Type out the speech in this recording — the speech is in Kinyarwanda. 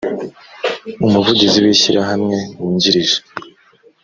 umuvugizi w’ishyirahamwe wungirije